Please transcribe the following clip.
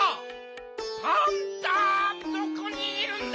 パンタどこにいるんだ？